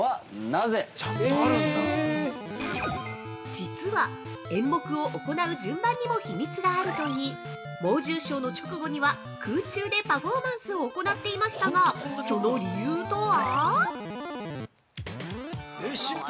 ◆実は、演目を行う順番にも秘密があるといい、猛獣ショーの直後には、空中でパフォーマンスを行っていましたがその理由とは？